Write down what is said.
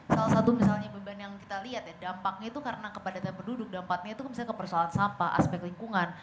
salah satu misalnya beban yang kita lihat ya dampaknya itu karena kepadatan penduduk dampaknya itu misalnya ke persoalan sampah aspek lingkungan